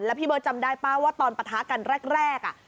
พี่เบิร์ตจำได้ป่ะว่าตอนปะทะกันแรก